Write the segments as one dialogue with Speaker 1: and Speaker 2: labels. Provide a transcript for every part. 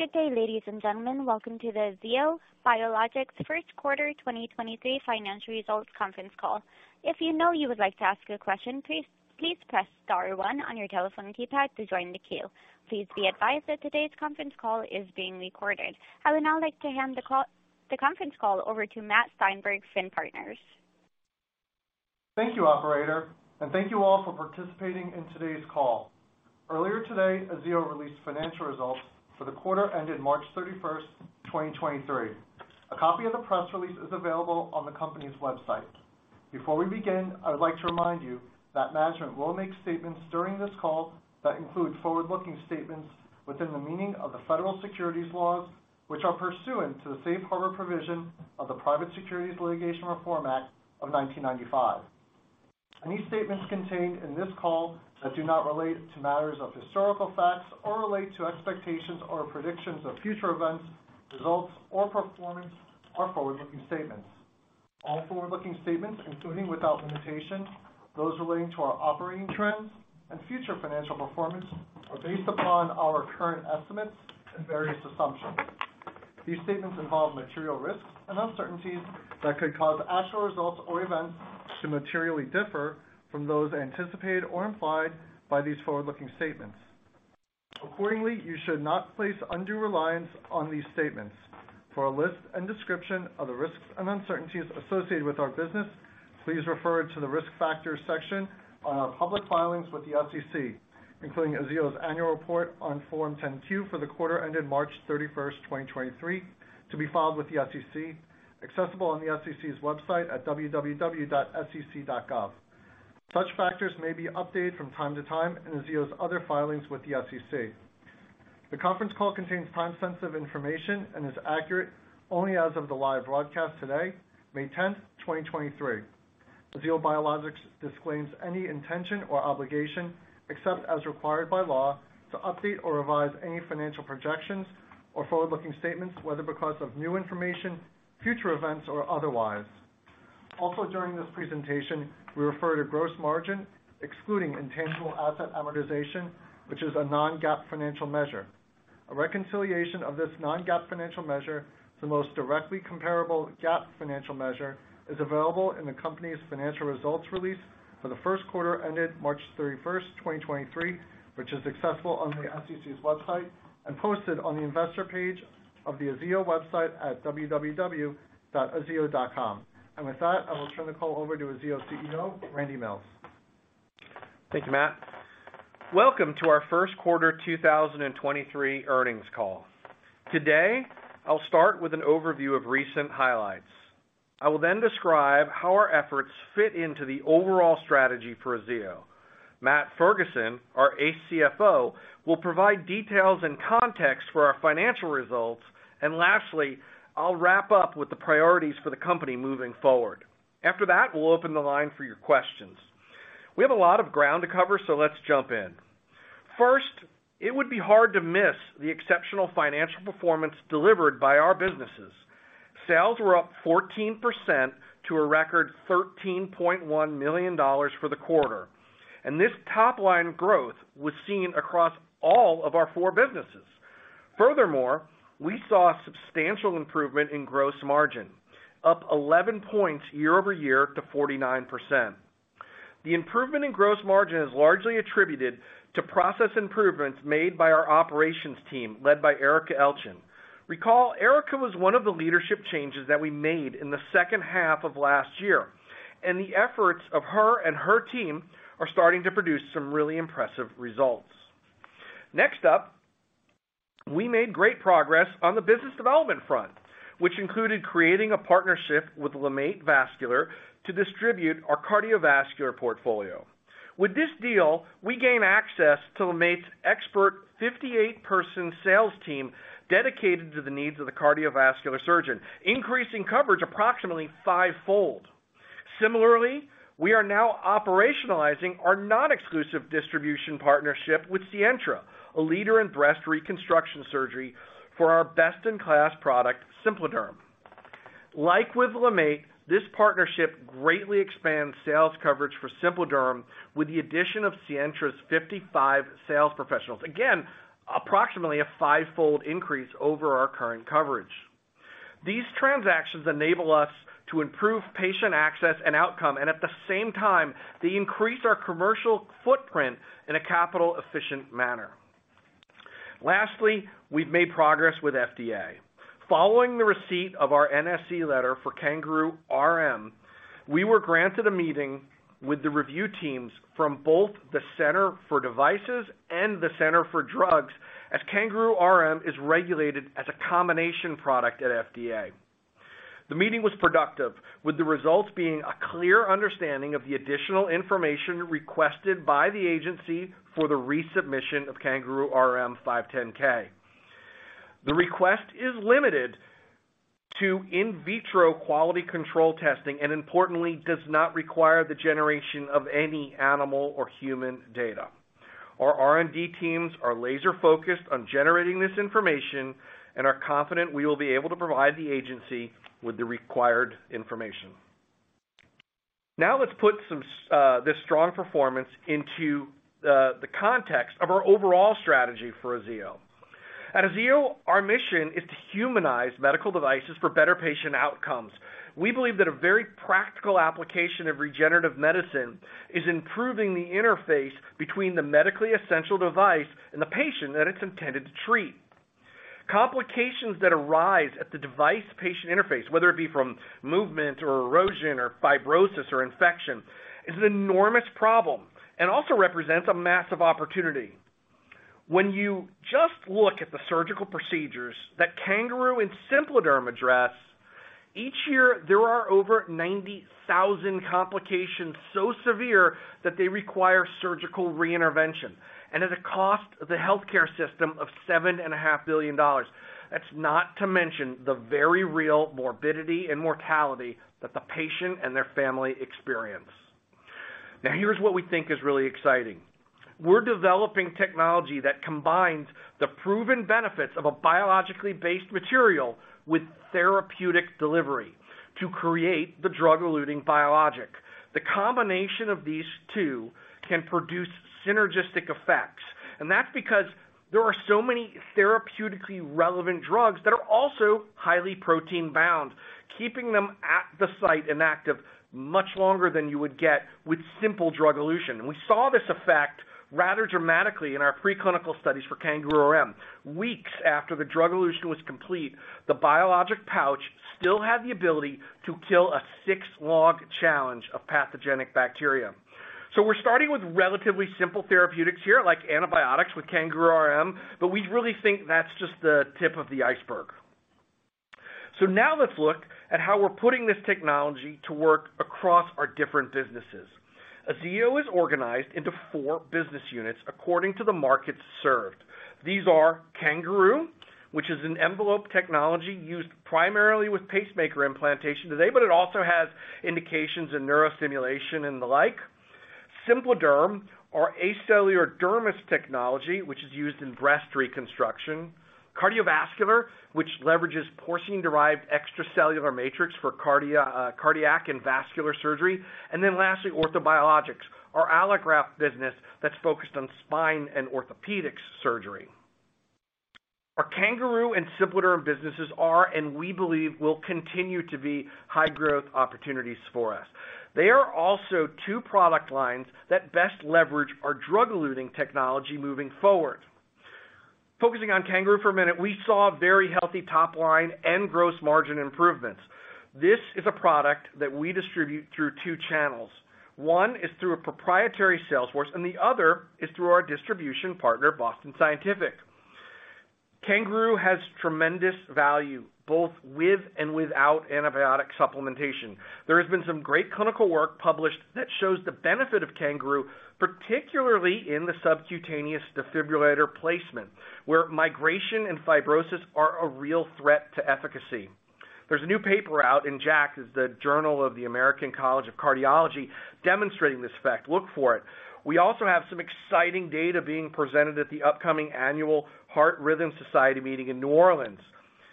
Speaker 1: Good day, ladies and gentlemen. Welcome to the Aziyo Biologics Q1 2023 financial results conference call. If you know you would like to ask a question, please press star one on your telephone keypad to join the queue. Please be advised that today's conference call is being recorded. I would now like to hand the conference call over to Matt Steinberg, FINN Partners.
Speaker 2: Thank you, operator, and thank you all for participating in today's call. Earlier today, Aziyo released financial results for the quarter ended March 31st, 2023. A copy of the press release is available on the company's website. Before we begin, I would like to remind you that management will make statements during this call that include forward-looking statements within the meaning of the federal securities laws, which are pursuant to the safe harbor provision of the Private Securities Litigation Reform Act of 1995. Any statements contained in this call that do not relate to matters of historical facts or relate to expectations or predictions of future events, results, or performance are forward-looking statements. All forward-looking statements, including, without limitation, those relating to our operating trends and future financial performance, are based upon our current estimates and various assumptions. These statements involve material risks and uncertainties that could cause actual results or events to materially differ from those anticipated or implied by these forward-looking statements. Accordingly, you should not place undue reliance on these statements. For a list and description of the risks and uncertainties associated with our business, please refer to the Risk Factors section on our public filings with the SEC, including Aziyo's annual report on Form 10-Q for the quarter ended March 31st, 2023, to be filed with the SEC, accessible on the SEC's website at www.sec.gov. Such factors may be updated from time to time in Aziyo's other filings with the SEC. The conference call contains time-sensitive information and is accurate only as of the live broadcast today, May 10th, 2023. Aziyo Biologics disclaims any intention or obligation, except as required by law, to update or revise any financial projections or forward-looking statements, whether because of new information, future events, or otherwise. Also, during this presentation, we refer to gross margin excluding intangible asset amortization, which is a non-GAAP financial measure. A reconciliation of this non-GAAP financial measure to the most directly comparable GAAP financial measure is available in the company's financial results release for the Q1 ended March 31, 2023, which is accessible on the SEC's website and posted on the investor page of the Aziyo website at www.aziyo.com. With that, I will turn the call over to Aziyo's CEO, Randy Mills.
Speaker 3: Thank you, Matt. Welcome to our Q1 2023 earnings call. Today, I'll start with an overview of recent highlights. I will then describe how our efforts fit into the overall strategy for Aziyo. Matt Ferguson, our CFO, will provide details and context for our financial results. Lastly, I'll wrap up with the priorities for the company moving forward. After that, we'll open the line for your questions. We have a lot of ground to cover, so let's jump in. First, it would be hard to miss the exceptional financial performance delivered by our businesses. Sales were up 14% to a record $13.1 million for the quarter, and this top-line growth was seen across all of our four businesses. Furthermore, we saw substantial improvement in gross margin, up 11 points year-over-year to 49%. The improvement in gross margin is largely attributed to process improvements made by our operations team, led by Erica Elchin. Recall, Erica was one of the leadership changes that we made in the H2 of last year, and the efforts of her and her team are starting to produce some really impressive results. Next up, we made great progress on the business development front, which included creating a partnership with LeMaitre Vascular to distribute our cardiovascular portfolio. With this deal, we gain access to LeMaitre's expert 58-person sales team dedicated to the needs of the cardiovascular surgeon, increasing coverage approximately five-fold. Similarly, we are now operationalizing our non-exclusive distribution partnership with Sientra, a leader in breast reconstruction surgery for our best-in-class product, SimpliDerm. Like with LeMaitre, this partnership greatly expands sales coverage for SimpliDerm with the addition of Sientra's 55 sales professionals. Again, approximately a five-fold increase over our current coverage. These transactions enable us to improve patient access and outcome, at the same time, they increase our commercial footprint in a capital efficient manner. Lastly, we've made progress with FDA. Following the receipt of our NSE letter for CanGaroo RM, we were granted a meeting with the review teams from both the Center for Devices and the Center for Drugs, as CanGaroo RM is regulated as a combination product at FDA. The meeting was productive, with the results being a clear understanding of the additional information requested by the agency for the resubmission of CanGaroo RM 510(k). The request is limited to in vitro quality control testing and importantly, does not require the generation of any animal or human data. Our R&D teams are laser focused on generating this information and are confident we will be able to provide the agency with the required information. Let's put some this strong performance into the context of our overall strategy for Aziyo. At Aziyo, our mission is to humanize medical devices for better patient outcomes. We believe that a very practical application of regenerative medicine is improving the interface between the medically essential device and the patient that it's intended to treat. Complications that arise at the device-patient interface, whether it be from movement or erosion or fibrosis or infection, is an enormous problem and also represents a massive opportunity. When you just look at the surgical procedures that CanGaroo and SimpliDerm address, each year there are over 90,000 complications so severe that they require surgical reintervention, at a cost to the healthcare system of seven and a half billion dollars. That's not to mention the very real morbidity and mortality that the patient and their family experience. Here's what we think is really exciting. We're developing technology that combines the proven benefits of a biologically based material with therapeutic delivery to create the drug-eluting biologic. The combination of these two can produce synergistic effects, that's because there are so many therapeutically relevant drugs that are also highly protein-bound, keeping them at the site inactive much longer than you would get with simple drug elution. We saw this effect rather dramatically in our preclinical studies for CanGaroo RM. Weeks after the drug elution was complete, the biologic pouch still had the ability to kill a six log challenge of pathogenic bacteria. We're starting with relatively simple therapeutics here, like antibiotics with CanGaroo RM, but we really think that's just the tip of the iceberg. Now let's look at how we're putting this technology to work across our different businesses. Aziyo is organized into four business units according to the markets served. These are CanGaroo, which is an envelope technology used primarily with pacemaker implantation today, but it also has indications in neurostimulation and the like. SimpliDerm, our acellular dermis technology, which is used in breast reconstruction. Cardiovascular, which leverages porcine-derived extracellular matrix for cardiac and vascular surgery. Lastly, Orthobiologics, our allograft business that's focused on spine and orthopedics surgery. Our CanGaroo and SimpliDerm businesses are, and we believe will continue to be, high growth opportunities for us. They are also two product lines that best leverage our drug-eluting technology moving forward. Focusing on CanGaroo for a minute, we saw very healthy top line and gross margin improvements. This is a product that we distribute through two channels. One is through a proprietary sales force, the other is through our distribution partner, Boston Scientific. CanGaroo has tremendous value, both with and without antibiotic supplementation. There has been some great clinical work published that shows the benefit of CanGaroo, particularly in the subcutaneous defibrillator placement, where migration and fibrosis are a real threat to efficacy. There's a new paper out in JACC, it's the Journal of the American College of Cardiology, demonstrating this effect. Look for it. We also have some exciting data being presented at the upcoming Annual Heart Rhythm Society meeting in New Orleans.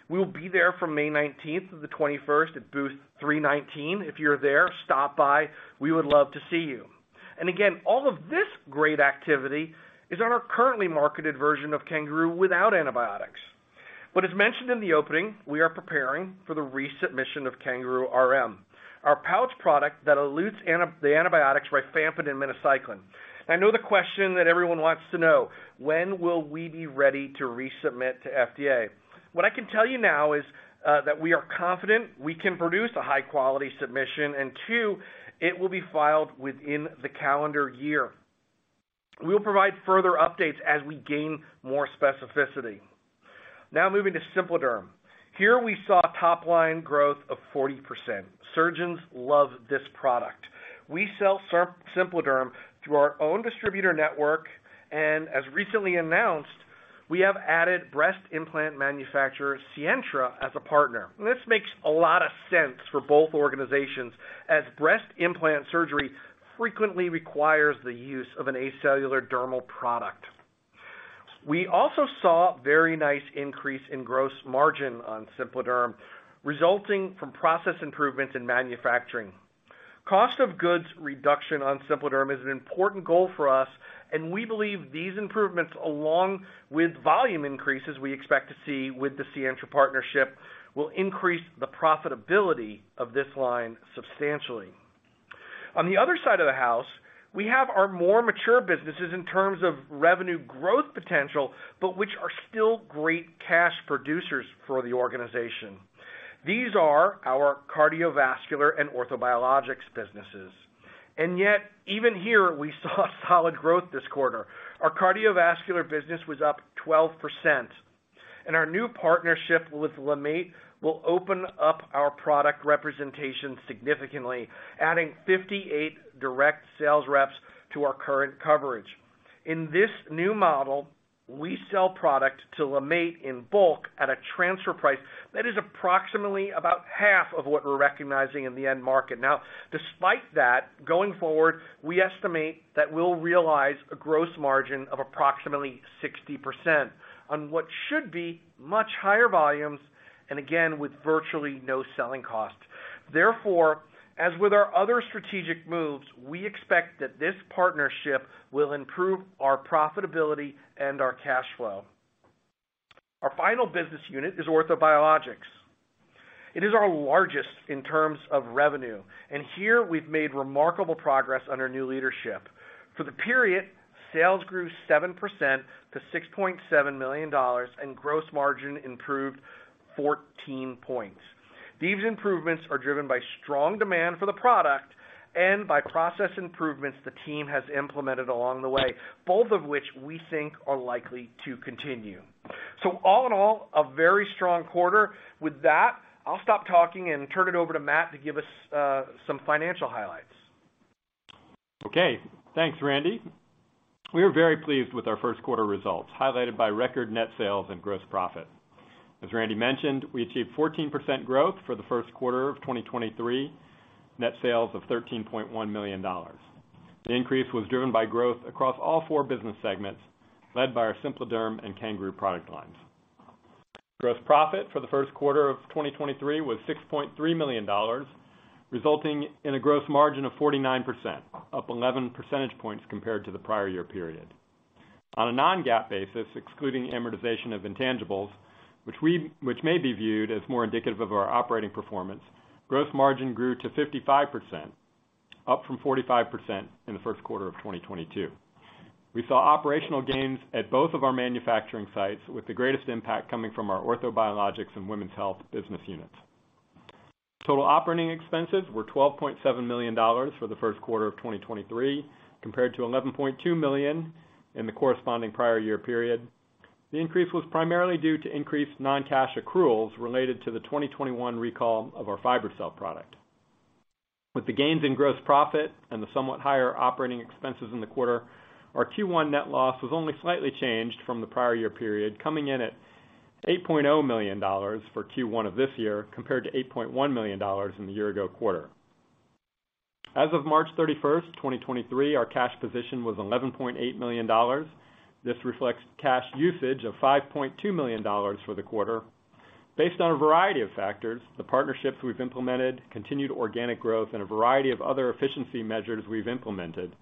Speaker 3: We will be there from May 19th through the 21st at Booth 319. If you're there, stop by. We would love to see you. Again, all of this great activity is on our currently marketed version of CanGaroo without antibiotics. As mentioned in the opening, we are preparing for the resubmission of CanGaroo RM, our pouch product that elutes the antibiotics rifampin and minocycline. I know the question that everyone wants to know: When will we be ready to resubmit to FDA? What I can tell you now is that we are confident we can produce a high quality submission, and two, it will be filed within the calendar year. We will provide further updates as we gain more specificity. Moving to SimpliDerm. Here we saw top line growth of 40%. Surgeons love this product. We sell SimpliDerm through our own distributor network, and as recently announced, we have added breast implant manufacturer Sientra as a partner. This makes a lot of sense for both organizations, as breast implant surgery frequently requires the use of an acellular dermal product. We also saw very nice increase in gross margin on SimpliDerm, resulting from process improvements in manufacturing. Cost of goods reduction on SimpliDerm is an important goal for us, and we believe these improvements, along with volume increases we expect to see with the Sientra partnership, will increase the profitability of this line substantially. On the other side of the house, we have our more mature businesses in terms of revenue growth potential, but which are still great cash producers for the organization. These are our cardiovascular and Orthobiologics businesses. Yet, even here, we saw solid growth this quarter. Our cardiovascular business was up 12%, and our new partnership with LeMaitre will open up our product representation significantly, adding 58 direct sales reps to our current coverage. In this new model, we sell product to LeMaitre in bulk at a transfer price that is approximately about half of what we're recognizing in the end market. Despite that, going forward, we estimate that we'll realize a gross margin of approximately 60% on what should be much higher volumes, and again, with virtually no selling cost. Therefore, as with our other strategic moves, we expect that this partnership will improve our profitability and our cash flow. Our final business unit is Orthobiologics. It is our largest in terms of revenue, and here we've made remarkable progress under new leadership. For the period, sales grew 7% to $6.7 million and gross margin improved 14 points. These improvements are driven by strong demand for the product and by process improvements the team has implemented along the way, both of which we think are likely to continue. All in all, a very strong quarter. With that, I'll stop talking and turn it over to Matt to give us, some financial highlights.
Speaker 4: Okay. Thanks, Randy. We are very pleased with our Q1 results, highlighted by record net sales and gross profit. As Randy mentioned, we achieved 14% growth for the Q1 of 2023, net sales of $13.1 million. The increase was driven by growth across all four business segments, led by our SimpliDerm and CanGaroo product lines. Gross profit for the Q1 of 2023 was $6.3 million, resulting in a gross margin of 49%, up 11 percentage points compared to the prior-year-period. On a non-GAAP basis, excluding amortization of intangibles, which may be viewed as more indicative of our operating performance, gross margin grew to 55%, up from 45% in the Q1 of 2022. We saw operational gains at both of our manufacturing sites, with the greatest impact coming from our Orthobiologics and Women's Health business units. Total operating expenses were $12.7 million for the Q1 of 2023, compared to $11.2 million in the corresponding prior-year-period. The increase was primarily due to increased non-cash accruals related to the 2021 recall of our FiberCel product. With the gains in gross profit and the somewhat higher operating expenses in the quarter, our Q1 net loss was only slightly changed from the prior-year-period, coming in at $8.0 million for Q1 of this year, compared to $8.1 million in the year ago quarter. As of March 31, 2023, our cash position was $11.8 million. This reflects cash usage of $5.2 million for the quarter. Based on a variety of factors, the partnerships we've implemented, continued organic growth, and a variety of other efficiency measures we've implemented,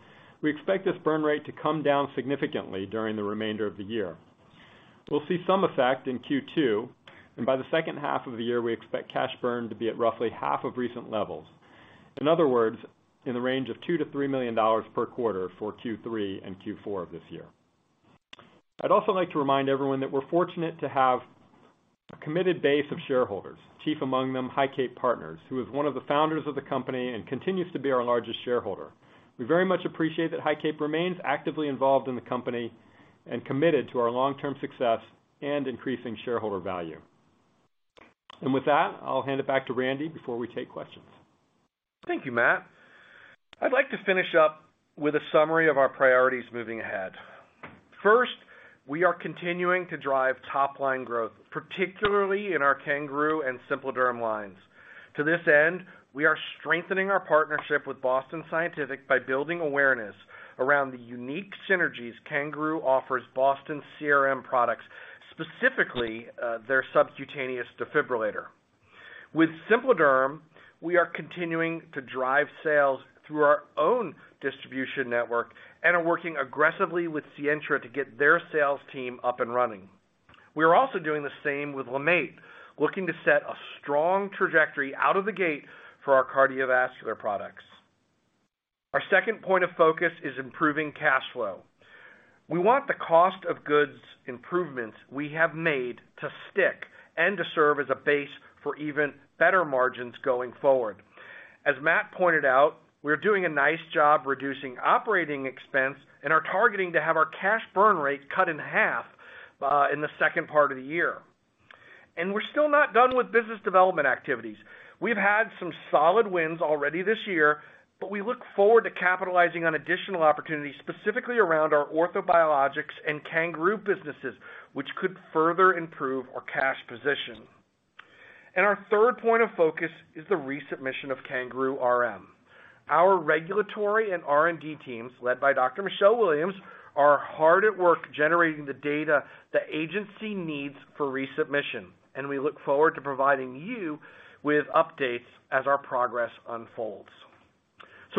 Speaker 4: we expect this burn rate to come down significantly during the remainder of the year. We'll see some effect in Q2, and by the H2 of the year, we expect cash burn to be at roughly half of recent levels. In other words, in the range of $2 million-$3 million per quarter for Q3 and Q4 of this year. I'd also like to remind everyone that we're fortunate to have a committed base of shareholders, chief among them, HighCape Partners, who is one of the founders of the company and continues to be our largest shareholder. We very much appreciate that HighCape remains actively involved in the company and committed to our long-term success and increasing shareholder value. With that, I'll hand it back to Randy before we take questions.
Speaker 3: Thank you, Matt. I'd like to finish up with a summary of our priorities moving ahead. First, we are continuing to drive top line growth, particularly in our CanGaroo and SimpliDerm lines. To this end, we are strengthening our partnership with Boston Scientific by building awareness around the unique synergies CanGaroo offers Boston CRM products, specifically, their subcutaneous defibrillator. With SimpliDerm, we are continuing to drive sales through our own distribution network and are working aggressively with Sientra to get their sales team up and running. We are also doing the same with LeMaitre, looking to set a strong trajectory out of the gate for our cardiovascular products. Our second point of focus is improving cash flow. We want the cost of goods improvements we have made to stick and to serve as a base for even better margins going forward. As Matt pointed out, we're doing a nice job reducing operating expense and are targeting to have our cash burn rate cut in half in the second part of the year. We're still not done with business development activities. We've had some solid wins already this year, but we look forward to capitalizing on additional opportunities, specifically around our Orthobiologics and CanGaroo businesses, which could further improve our cash position. Our third point of focus is the resubmission of CanGaroo RM. Our regulatory and R&D teams, led by Dr. Michelle Williams, are hard at work generating the data the agency needs for resubmission, and we look forward to providing you with updates as our progress unfolds.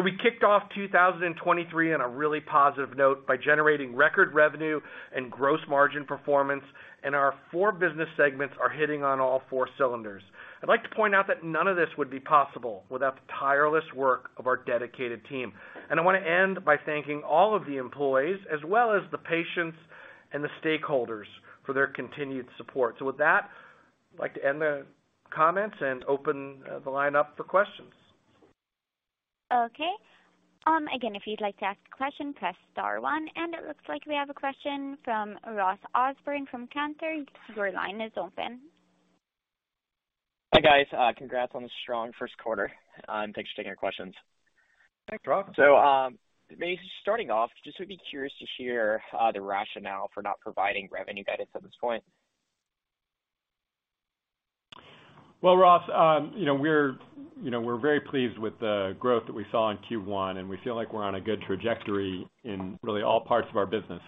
Speaker 3: We kicked off 2023 on a really positive note by generating record revenue and gross margin performance, and our four business segments are hitting on all four cylinders. I'd like to point out that none of this would be possible without the tireless work of our dedicated team. I wanna end by thanking all of the employees as well as the patients and the stakeholders for their continued support. With that, I'd like to end the comments and open the line up for questions.
Speaker 1: Okay. Again, if you'd like to ask a question, press star one. It looks like we have a question from Ross Osborn from Cantor. Your line is open.
Speaker 5: Hi, guys. Congrats on the strong Q1. Thanks for taking our questions.
Speaker 4: Thanks, Ross.
Speaker 5: Maybe starting off, just would be curious to hear, the rationale for not providing revenue guidance at this point.
Speaker 4: Well, Ross, you know, we're, you know, we're very pleased with the growth that we saw in Q1. We feel like we're on a good trajectory in really all parts of our business.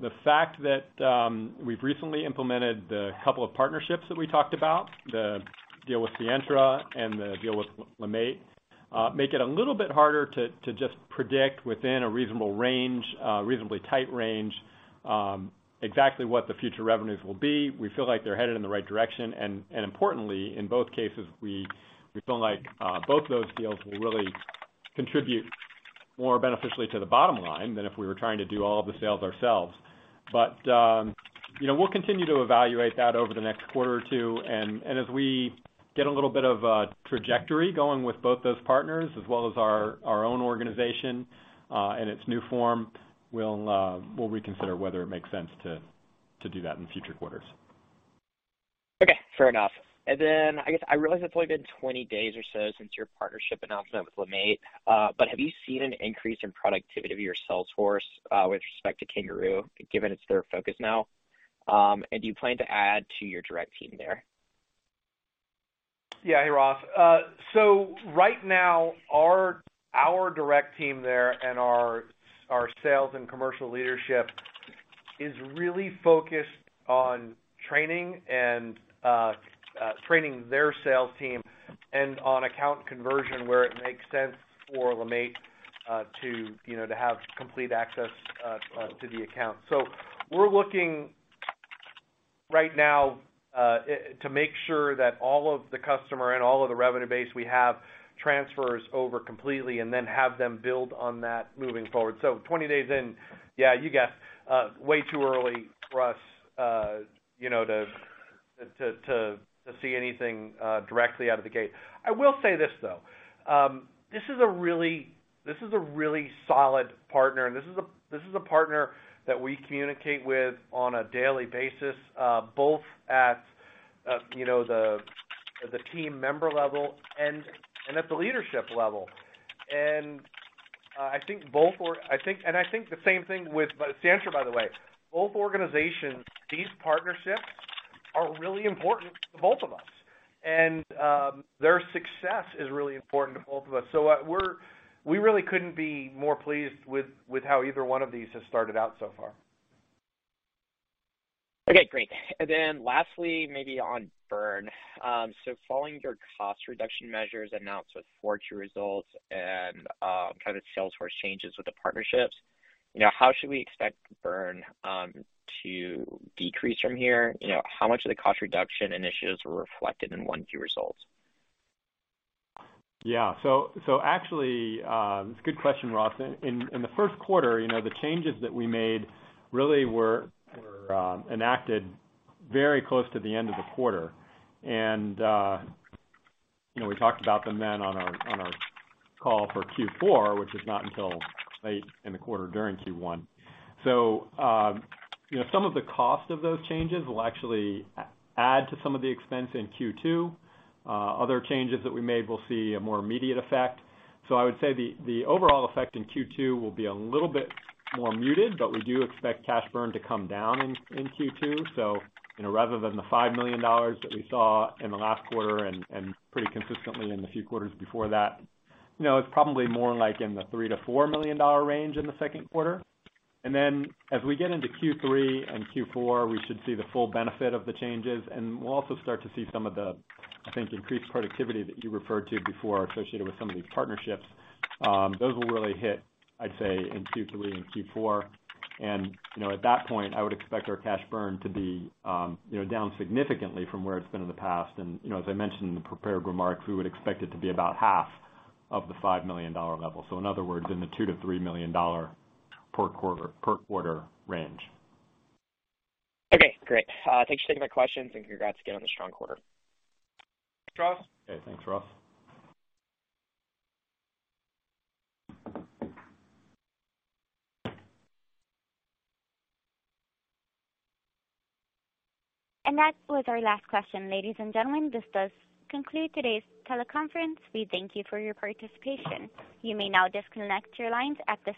Speaker 4: The fact that we've recently implemented the couple of partnerships that we talked about, the deal with Sientra and the deal with LeMaitre, make it a little bit harder to just predict within a reasonable range, reasonably tight range, exactly what the future revenues will be. We feel like they're headed in the right direction. Importantly, in both cases, we feel like both those deals will really contribute more beneficially to the bottom line than if we were trying to do all of the sales ourselves. You know, we'll continue to evaluate that over the next quarter or two. As we get a little bit of a trajectory going with both those partners as well as our own organization, in its new form, we'll reconsider whether it makes sense to do that in future quarters.
Speaker 5: Okay, fair enough. I guess I realize it's only been 20 days or so since your partnership announcement with LeMaitre. Have you seen an increase in productivity of your sales force, with respect to CanGaroo, given it's their focus now? Do you plan to add to your direct team there?
Speaker 3: So right now, our direct team there and our sales and commercial leadership is really focused on training and training their sales team and on account conversion where it makes sense for LeMaitre to, you know, to have complete access to the account. So we're looking right now to make sure that all of the customer and all of the revenue base we have transfers over completely and then have them build on that moving forward. So 20 days in, yeah, you got way too early for us, you know, to see anything directly out of the gate. I will say this, though. This is a really solid partner, and this is a partner that we communicate with on a daily basis, you know, both at the team member level and at the leadership level. I think both. It's the answer, by the way. Both organizations, these partnerships are really important to both of us. Their success is really important to both of us. We really couldn't be more pleased with how either one of these has started out so far.
Speaker 5: Okay, great. Lastly, maybe on burn. Following your cost reduction measures announced with 4Q results and, kind of the sales force changes with the partnerships, you know, how should we expect burn to decrease from here? You know, how much of the cost reduction initiatives were reflected in 1Q results?
Speaker 4: Yeah. Actually, it's a good question, Ross. In the Q1, you know, the changes that we made really were enacted very close to the end of the quarter. you know, we talked about them then on our call for Q4, which is not until late in the quarter during Q1. you know, some of the cost of those changes will actually add to some of the expense in Q2. Other changes that we made will see a more immediate effect. I would say the overall effect in Q2 will be a little bit more muted, but we do expect cash burn to come down in Q2. You know, rather than the $5 million that we saw in the last quarter and pretty consistently in the few quarters before that, you know, it's probably more like in the $3 million-$4 million range in the Q2. As we get into Q3 and Q4, we should see the full benefit of the changes. And we'll also start to see some of the, I think, increased productivity that you referred to before associated with some of these partnerships. Those will really hit, I'd say, in Q3 and Q4. You know, at that point, I would expect our cash burn to be, you know, down significantly from where it's been in the past. You know, as I mentioned in the prepared remarks, we would expect it to be about half of the $5 million level. In other words, in the $2 million-$3 million per quarter range.
Speaker 5: Okay, great. Thanks for taking my questions and congrats again on the strong quarter.
Speaker 3: Ross.
Speaker 4: Okay. Thanks, Ross.
Speaker 1: That was our last question, ladies and gentlemen. This does conclude today's teleconference. We thank you for your participation. You may now disconnect your lines at this time.